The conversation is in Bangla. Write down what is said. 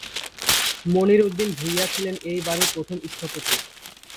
মনির উদ্দিন ভূঁইয়া ছিলেন এই বাড়ির প্রথম স্থপতি।